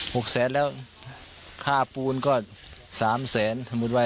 หกแสนแล้วค่าปูนก็สามแสน